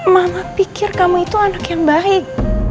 mama pikir kamu itu anak yang baik